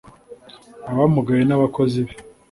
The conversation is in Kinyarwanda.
abamugaye n'abakozi be